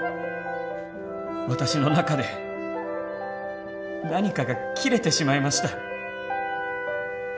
私の中で何かが切れてしまいました。